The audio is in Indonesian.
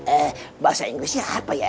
eh bahasa inggrisnya apa ya